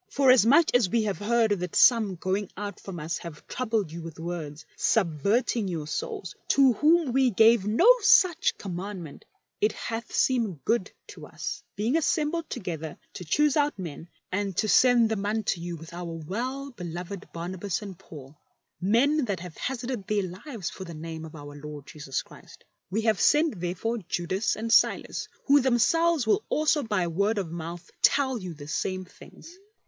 " Forasmuch as we have heard that some going out from us have troubled you with words, subverting your souls, to whom we gave no commandment ; it hath seemed good to us, being assembled together to choose out men, and to send them unto you with our well beloved Barnabas and Paid, men thai have hazarded their lives for the name of Our Lord Jesus Christ. We have sent therefore Judas and Silas, who themselves will also by word of mouth tell jmu the same things.